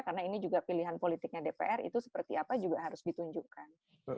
karena ini juga pilihan politiknya dpr itu seperti apa juga harus ditunjukkan